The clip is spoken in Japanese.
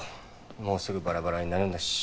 もうすぐバラバラになるんだし。